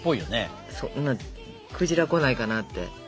そうクジラ来ないかなって？